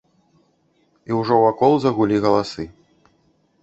І ўжо вакол загулі галасы.